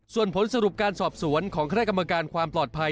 ส่วนผลสรุปการสอบสวนของคณะกรรมการความปลอดภัย